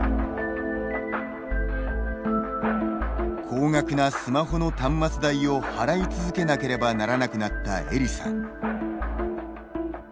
高額なスマホの端末代を払い続けなければならなくなったエリさん。